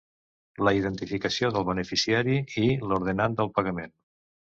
La identificació del beneficiari i l'ordenant del pagament.